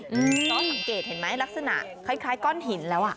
เพราะสังเกตเห็นไหมลักษณะคล้ายก้อนหินแล้ว